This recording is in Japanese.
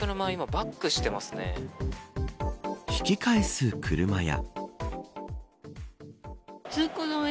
引き返す車や。